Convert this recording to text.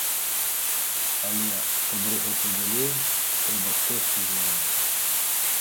Але, каб рухацца далей, трэба штосьці змяняць.